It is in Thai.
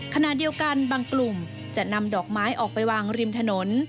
ขณะเดียวกันบางกลุ่มจะนำดอกไม้ออกไปวางริมถนน